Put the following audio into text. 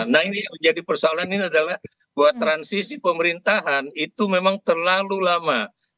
nah ini yang menjadi persoalan ini adalah buat transisi pemerintahan itu memang terlalu lama